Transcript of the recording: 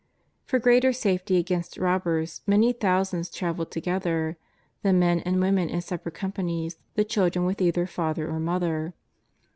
For gi'eater safety against robbers many thousands travelled together, the men and the women in separate companies, the children with either father or mother.